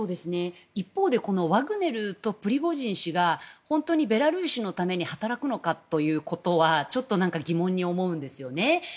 一方でワグネルとプリゴジン氏が本当にベラルーシのために働くのかということはちょっと疑問に思うんですよね。